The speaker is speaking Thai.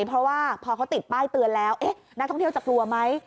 เพราะว่าพอเขาติดป้ายเตือนแล้วนักท่องเที่ยวจะกลัวไหม